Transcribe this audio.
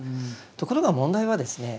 ところが問題はですね